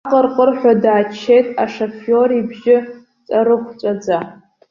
Аҟырҟырҳәа дааччеит ашафиор ибжьы ҵарыхәҵәаӡа.